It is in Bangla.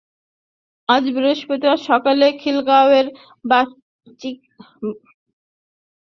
আজ বৃহস্পতিবার সকালে খিলগাঁওয়ের বাগিচা মসজিদসংলগ্ন রেললাইনে এ দুর্ঘটনা ঘটে।